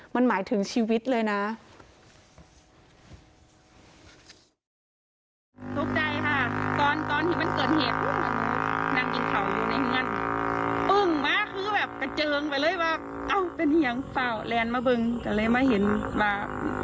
มันหมายถึงชีวิตเลยนะ